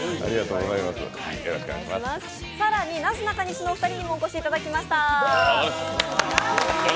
更になすなかにしのお二人にもお越しいただきました。